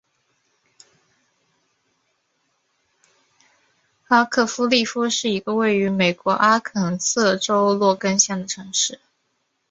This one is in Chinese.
拉特克利夫是一个位于美国阿肯色州洛根县的城市。